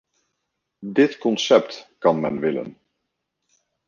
Dit concept kan men willen.